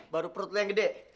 baru perut lo yang gede